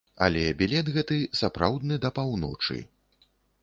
Але білет гэты сапраўдны да паўночы.